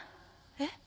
えっ？